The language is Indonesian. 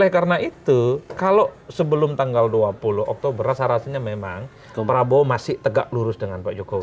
karena itu kalau sebelum tanggal dua puluh oktober rasanya memang prabowo masih tegak lurus dengan pak jokowi